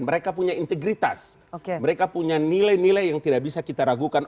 mereka punya integritas mereka punya nilai nilai yang tidak bisa kita ragukan